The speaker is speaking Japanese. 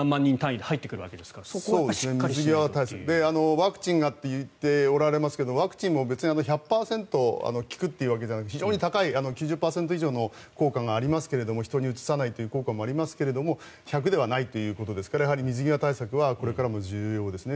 ワクチンがと言っておられますがワクチンも別に１００％効くというわけじゃなくて非常に高い９０％以上の効果がありますが人にうつさない効果がありますが１００ではないということですからやはり水際対策はこれからも重要ですね。